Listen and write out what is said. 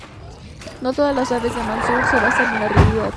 No todas las aves de Mansur se basaban en la realidad.